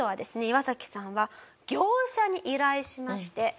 イワサキさんは業者に依頼しまして。